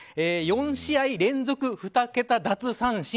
４試合連続２桁奪三振。